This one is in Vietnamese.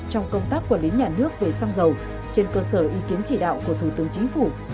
trong công tác quản lý nhà nước về xăng dầu trên cơ sở ý kiến chỉ đạo của thủ tướng chính phủ